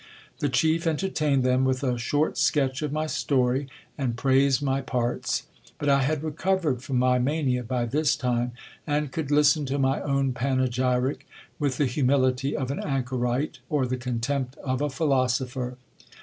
The chief entertained them with a short sketch of my story, and praised my parts. But I had recovered from my mania by this time, and could listen to my own panegyric with the humility of an anchorite or the contempt of a philosopher.